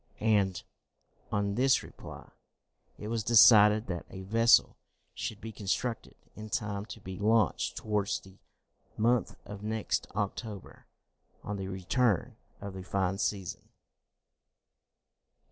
And, on this reply, it was decided that a vessel should be constructed in time to be launched towards the month of next October, on the return of the fine season.